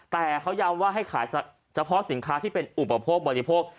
แต่เขาย้ำว่าให้ขายเฉพาะสินค้าที่เป็นอุปโภคบริโภค